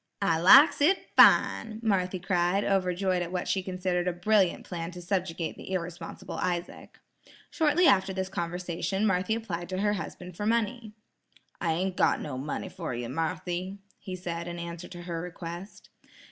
"I likes it fine," Marthy cried, overjoyed at what she considered a brilliant plan to subjugate the irresponsible Isaac. Shortly after this conversation, Marthy applied to her husband for money. "I ain't got no money fer ye, Marthy," he said in answer to her request.